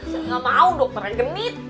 saya gak mau dokternya genit